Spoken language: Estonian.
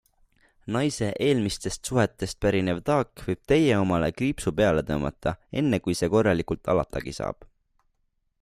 Naise eelmistest suhetest pärinev taak võib teie omale kriipsu peale tõmmata, enne kui see korralikult alatagi saab.